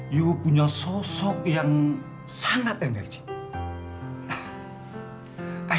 you punya sosok yang sangat enerjik